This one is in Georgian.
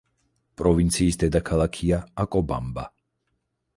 პროვინციის დედაქალაქია აკობამბა.